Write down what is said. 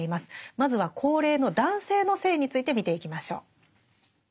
まずは高齢の男性の性について見ていきましょう。